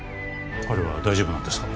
彼は大丈夫なんですか？